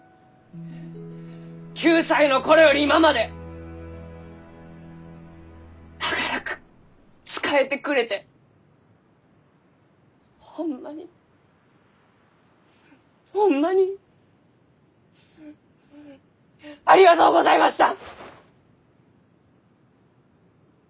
９歳の頃より今まで長らく仕えてくれてホンマにホンマにありがとうございました！